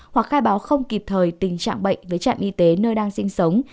hoặc khai báo không kịp thời tình trạng bệnh với trạm y tế nơi đang sinh sống